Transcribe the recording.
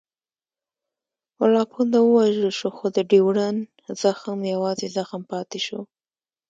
ملا پونده ووژل شو خو د ډیورنډ زخم یوازې زخم پاتې شو.